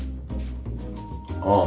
ああ。